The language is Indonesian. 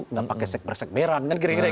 nggak pakai sekber sekberan